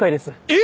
え！